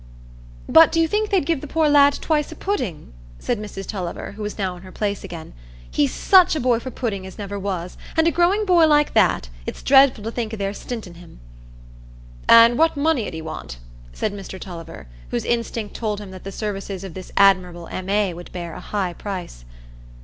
"But do you think they'd give the poor lad twice o' pudding?" said Mrs Tulliver, who was now in her place again. "He's such a boy for pudding as never was; an' a growing boy like that,—it's dreadful to think o' their stintin' him." "And what money 'ud he want?" said Mr Tulliver, whose instinct told him that the services of this admirable M.A. would bear a high price.